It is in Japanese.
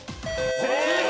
正解！